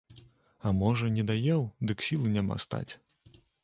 А можа, недаеў, дык сілы няма стаць.